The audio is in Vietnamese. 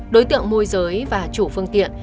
đối tượng môi giới và chủ phương tiện